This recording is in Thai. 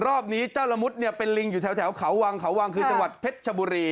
รอบนี้เจ้าละมุดเนี่ยเป็นลิงอยู่แถวเขาวังเขาวังคือจังหวัดเพชรชบุรี